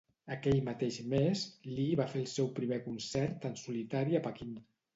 Aquell mateix mes, Li va fer el seu primer concert en solitari a Pequín.